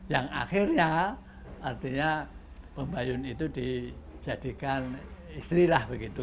yang akhirnya artinya pembayun itu dijadikan istri lah begitu